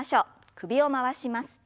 首を回します。